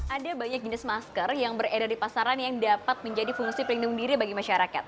ada banyak jenis masker yang beredar di pasaran yang dapat menjadi fungsi pelindung diri bagi masyarakat